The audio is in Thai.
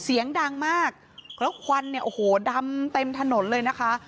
เสียงดังมากแล้วควันเนี่ยโอ้โหดำเต็มถนนเลยนะคะ